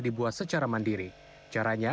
dibuat secara mandiri caranya